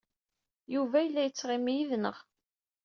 Yuba yella yettɣimi yid-neɣ.